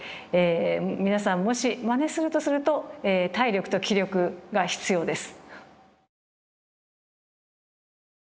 皆さんもしまねするとすると体力と気力が必要です。